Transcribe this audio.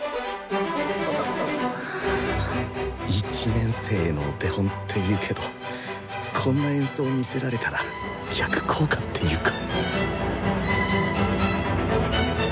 １年生へのお手本って言うけどこんな演奏見せられたら逆効果っていうか。